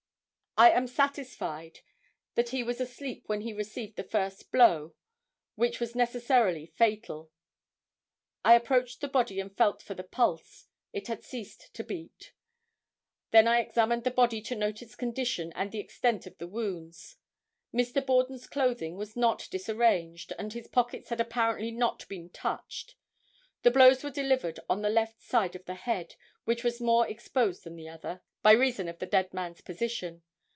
I am satisfied that he was asleep when he received the first blow, which was necessarily fatal. I approached the body and felt for the pulse. It had ceased to beat. Then I examined the body to note its condition and the extent of the wounds. Mr. Borden's clothing was not disarranged, and his pockets had apparently not been touched. The blows were delivered on the left side of the head, which was more exposed than the other, by reason of the dead man's position.